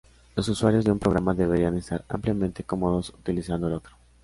Los usuarios de un programa deberían estar ampliamente cómodos utilizando el otro.